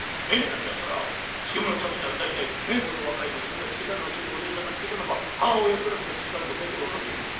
だってそれは漬物食べたら大体その若い娘が漬けたのかちょっとおねえさんが漬けたのか母親クラスが漬けたのか大体分かるじゃない」。